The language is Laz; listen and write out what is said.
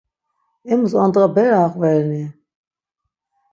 Emus andğa bere aqvereni?